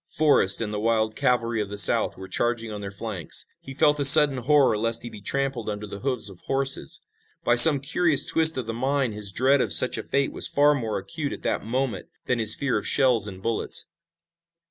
Forrest and the wild cavalry of the South were charging on their flanks. He felt a sudden horror lest he be trampled under the hoofs of horses. By some curious twist of the mind his dread of such a fate was far more acute at that moment than his fear of shells and bullets.